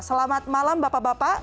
selamat malam bapak bapak